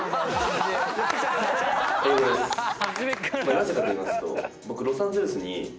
なぜかといいますと僕。